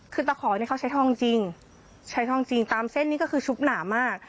คือตะขอเนี่ยเขาใช้ทองจริงใช้ทองจริงตามเส้นนี้ก็คือชุบหนามาก